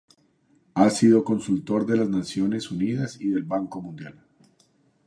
Ha sido consultor de las Naciones Unidas y del Banco Mundial.